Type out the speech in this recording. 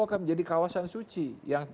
akan menjadi kawasan suci yang